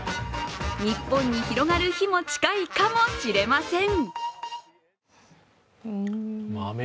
日本に広がる日も近いかもしれません。